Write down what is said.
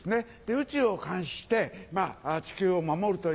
宇宙を監視して地球を守るという。